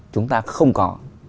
chúng ta không có